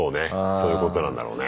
そういうことなんだろうね。